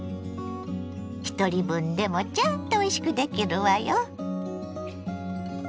ひとり分でもちゃんとおいしくできるわよ。